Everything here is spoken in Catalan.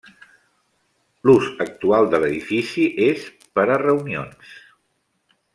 L'ús actual de l'edifici és per a reunions.